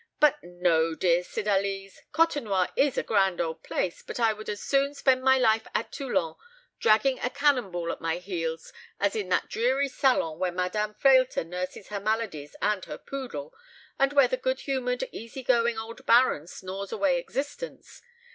"But no, dear Cydalise. Côtenoir is a grand old place; but I would as soon spend my life at Toulon, dragging a cannon ball at my heels, as in that dreary salon where Madame Frehlter nurses her maladies and her poodle, and where the good humoured, easy going old Baron snores away existence.